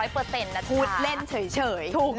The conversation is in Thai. พูดเล่นเฉย